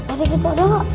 ada di depan enggak